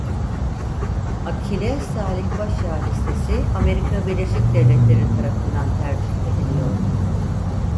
Akile Salih-Başağa listesi Amerika Birleşik Devletleri tarafından tercih ediliyordu.